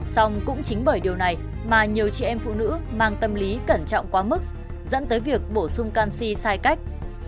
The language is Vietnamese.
xong cũng chính bởi điều này mà nhiều chị em phụ nữ mang tâm lý cẩn trọng quá mức dẫn tới việc bổ sung canxi sai cách